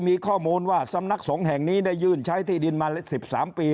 มีข้อมูลว่าสำนักสงฆ์แห่งนี้ได้ยื่นใช้ที่ดินมา๑๓ปี